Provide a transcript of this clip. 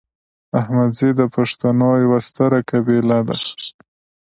احمدزي د پښتنو یوه ستره قبیله ده